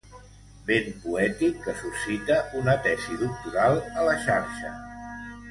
Vent poètic que suscita una tesi doctoral a la xarxa.